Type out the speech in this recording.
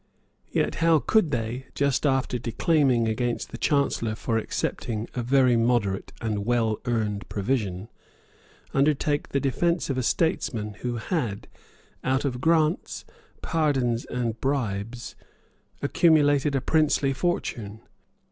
Yet how could they, just after declaiming against the Chancellor for accepting a very moderate and well earned provision, undertake the defence of a statesman who had, out of grants, pardons and bribes, accumulated a princely fortune?